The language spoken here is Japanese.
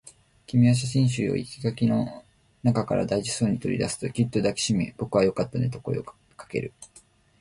君は写真集を生垣の中から大事そうに取り出すと、ぎゅっと抱きしめ、僕はよかったねと声をかける